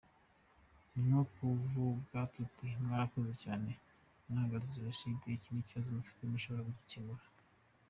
Ni nko kuvuga tuti ‘mwarakoze cyane, mwahagaritse Jenoside, iki kibazo mufite dushobora kugikemura.